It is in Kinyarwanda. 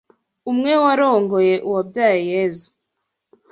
umwe warongoye uwabyaye Yezu.”